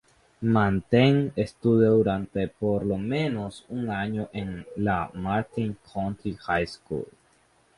Mateen estudió durante por lo menos un año en la Martin County High School.